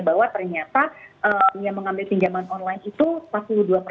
bahwa ternyata yang mengambil pinjaman online itu